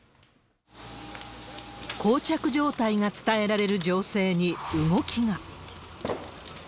こう着状態が伝えられる情勢に動きが。